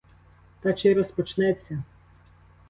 Та чи й розпочнеться?